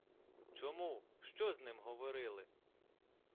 Чому, що з ним говорили?